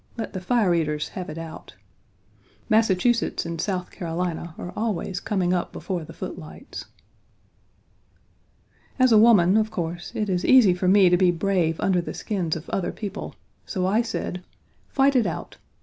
Let the fire eaters have it out. Massachusetts and South Carolina are always coming up before the footlights. As a woman, of course, it is easy for me to be brave under the skins of other people; so I said: "Fight it out.